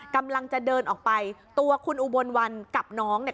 กำลังจะเดินออกไปตัวคุณอุบลวันกับน้องเนี่ย